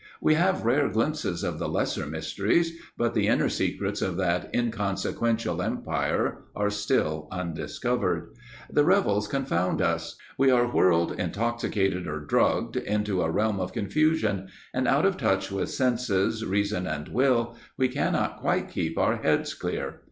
We have rare glimpses of the Lesser Mysteries, but the inner secrets of that inconsequential empire are still undiscovered. The revels confound us; we are whirled, intoxicated or drugged, into a realm of confusion, and, out of touch with senses, reason and will, we cannot quite keep our heads clear.